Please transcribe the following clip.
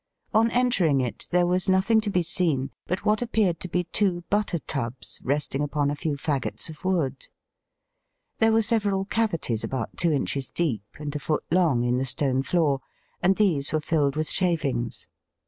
On entering it there was nothing to be seen but what appeared to be two butter tubs resting upon a few faggots of wood. There were several cavities about two inches deep and a foot long in the stone floor, and these were filled with shavings.